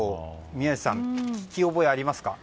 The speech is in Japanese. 宮司さん、聞き覚えありますか？